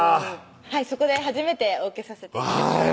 はいそこで初めてお受けさせて頂きました